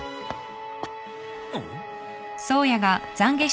あっ。